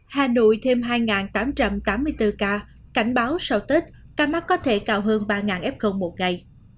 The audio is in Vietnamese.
hà nội thêm hai tám trăm tám mươi bốn ca cảnh báo sau tết ca mắc có thể cao hơn ba f một ngày